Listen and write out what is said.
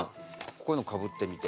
こういうのかぶってみて。